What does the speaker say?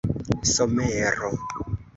somero